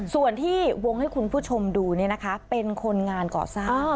ส่วนที่วงให้คุณผู้ชมดูเนี้ยนะคะเป็นคนงานก่อสร้างอ๋อ